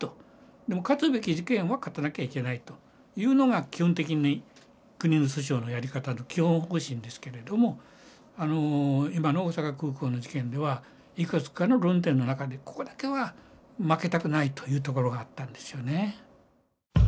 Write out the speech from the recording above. でも勝つべき事件は勝たなきゃいけないというのが基本的に国の訴訟のやり方の基本方針ですけれども今の大阪空港の事件ではいくつかの論点の中でここだけは負けたくないというところがあったんですよね。